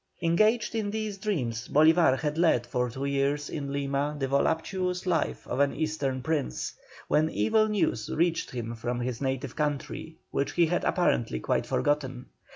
Engaged in these dreams Bolívar had led for two years in Lima the voluptuous life of an Eastern prince, when evil news reached him from his native country, which he had apparently quite forgotten.